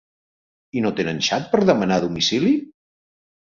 I no tenen xat per demanar a domicili?